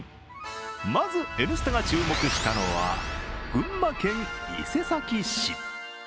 まず、「Ｎスタ」が注目したのは群馬県伊勢崎市。